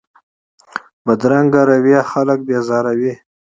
بدرنګه رویه خلک بېزاروي